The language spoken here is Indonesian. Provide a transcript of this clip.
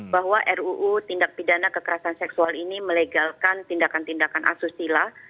bahwa ruu tindak pidana kekerasan seksual ini melegalkan tindakan tindakan asusila